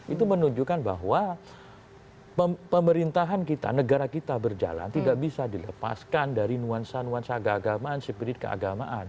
itu menunjukkan bahwa pemerintahan kita negara kita berjalan tidak bisa dilepaskan dari nuansa nuansa keagamaan spirit keagamaan